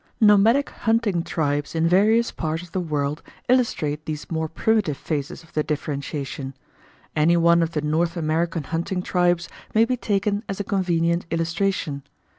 Nomadic hunting tribes in various parts of the world illustrate these more primitive phases of the differentiation. Any one of the North American hunting tribes may be taken as a convenient illustration.